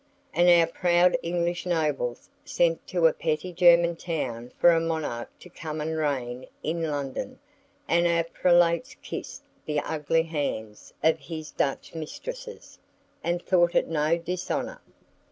And our proud English nobles sent to a petty German town for a monarch to come and reign in London and our prelates kissed the ugly hands of his Dutch mistresses, and thought it no dishonor.